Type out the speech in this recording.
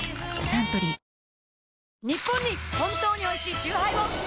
サントリーニッポンに本当においしいチューハイを！